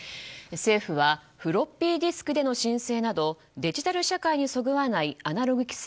政府はフロッピーディスクでの申請などデジタル社会にそぐわないアナログ規制